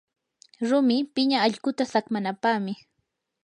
rumi piña allquta saqmanapaqmi.